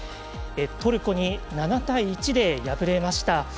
トルコに７対１で敗れました。